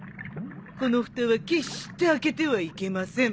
このふたは決して開けてはいけません。